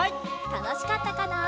たのしかったかな？